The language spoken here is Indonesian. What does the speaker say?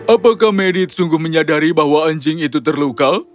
apakah medit sungguh menyadari bahwa anjing itu terluka